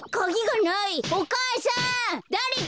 だれか！